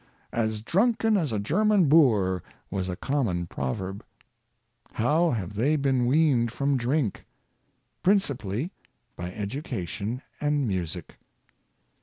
" As drunken as a German boor," was a common proverb. How have they been weaned from drink? Principally by education and music.